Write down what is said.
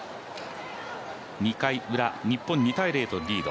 ２回ウラ、日本２−０とリード。